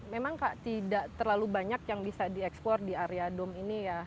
memang tidak terlalu banyak yang bisa diekspor di area dom ini ya